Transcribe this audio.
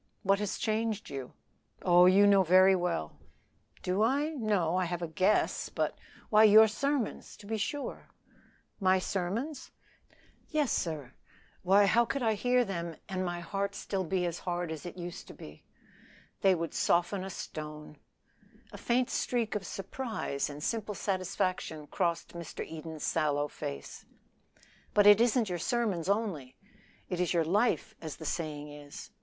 "What has changed you?" "Oh, you know very well." "Do I? No; I have a guess; but " "Why your sermons, to be sure." "My sermons?" "Yes, sir. Why, how could I hear them and my heart be as hard as it used? They would soften a stone." A faint streak of surprise and simple satisfaction crossed Mr. Eden's sallow face. "But it isn't your sermons only it is your life, as the saying is.